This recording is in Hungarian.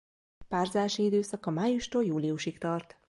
Párzási időszaka májustól júliusig tart.